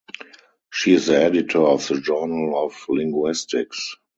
She is the editor of the "Journal of Linguistics".